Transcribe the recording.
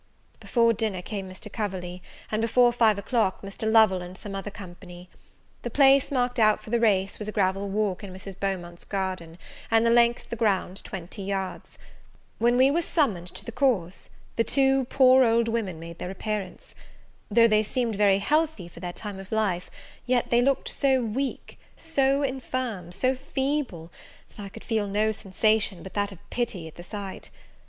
Before dinner came Mr. Coverley, and, before five o'clock, Mr. Lovel and some other company. The place marked out for the race, was a gravel walk in Mrs. Beaumont's garden, and the length of the ground twenty yards. When we were summoned to the course, the two poor old women made their appearance. Though they seemed very healthy for their time of life, they yet looked so weak, so infirm, so feeble, that I could feel no sensation but that of pity at the sight.